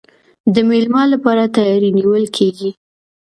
د میلمه لپاره تیاری نیول کیږي.